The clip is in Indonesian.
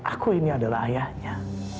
aku ini adalah ayahnya